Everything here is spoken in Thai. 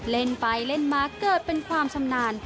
เล่นไปเล่นมาเกิดเป็นความชำนาญ